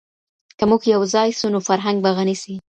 که موږ یو ځای سو نو فرهنګ به غني سي.